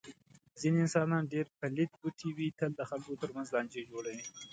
ځنې انسانان ډېر پلیت بوټی وي. تل د خلکو تر منځ لانجې جوړوي.